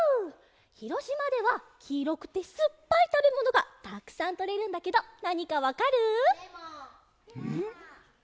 ひろしまではきいろくてすっぱいたべものがたくさんとれるんだけどなにかわかる？ん？